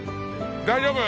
大丈夫？